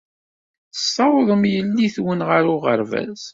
Tessawḍem yelli-twen ɣer uɣerbaz.